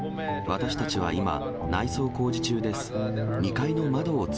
私たちは今、内装工事中です。